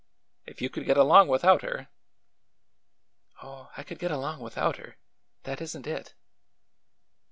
If you could get along without her "" Oh, I could get along without her. That is n't it!"